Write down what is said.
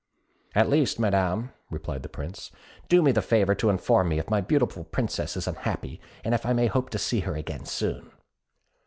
"At least, madam," replied the Prince, "do me the favour to inform me if my beautiful Princess is unhappy, and if I may hope to see her again soon?"